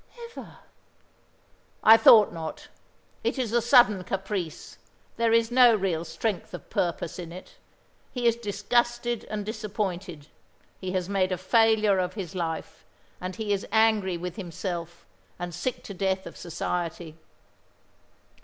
"Never." "I thought not. It is a sudden caprice; there is no real strength of purpose in it. He is disgusted and disappointed. He has made a failure of his life, and he is angry with, himself, and sick to death of Society.